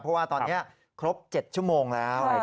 เพราะว่าตอนนี้ครบ๗ชั่วโมงแล้ว